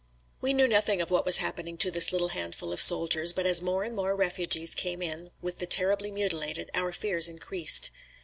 We knew nothing of what was happening to this little handful of soldiers, but as more and more refugees came in with the terribly mutilated, our fears increased.